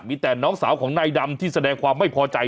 มีแต่น้องสาวของนายดำที่แสดงความไม่พอใจ